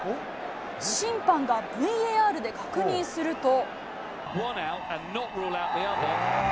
審判がＶＡＲで確認すると。